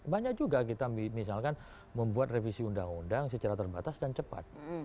banyak juga kita misalkan membuat revisi undang undang secara terbatas dan cepat